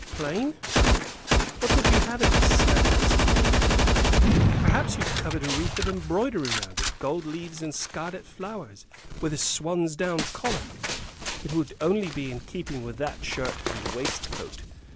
"Plain! What would you have it?" snapped Miss Cornelia. "Perhaps you covet a wreath of embroidery round it, gold leaves and scarlet flowers, with a swansdown collar? It would only be in keeping with that shirt and waistcoat.